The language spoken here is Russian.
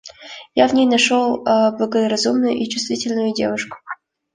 Я в ней нашел благоразумную и чувствительную девушку.